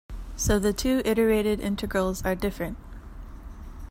So the two iterated integrals are different.